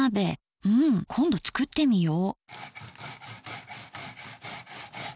うん今度作ってみよう。